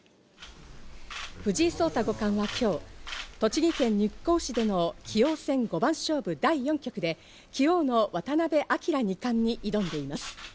藤井聡太五冠は今日、栃木県日光市での棋王戦五番勝負第４局で棋王の渡辺明二冠に挑んでいます。